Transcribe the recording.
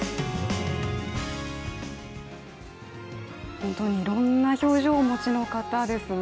本当にいろんな表情をお持ちの方ですね。